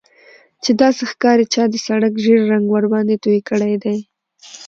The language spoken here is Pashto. چې داسې ښکاري چا د سړک ژیړ رنګ ورباندې توی کړی دی